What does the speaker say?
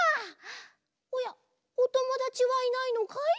おやおともだちはいないのかい！？